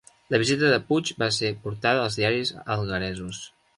La visita de Puig va ser portada als diaris algueresos